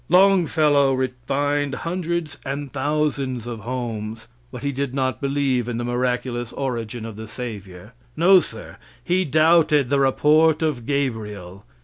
Longfellow refined hundreds and thousands of homes, but he did not believe in the miraculous origin of the Savior. No, sir; he doubted the report of Gabriel.